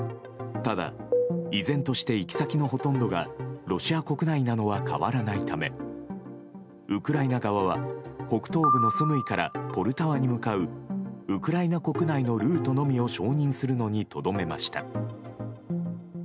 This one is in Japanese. ただ、依然として行き先のほとんどがロシア国内なのは変わらないためウクライナ側は北東部のスムイからポルタワに向かうウクライナ国内のルートのみを承認するのにとどめました。